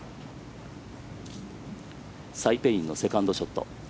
サイ・ペイインのセカンドショット。